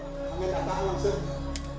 setelah rangkaian upacara dan panggilan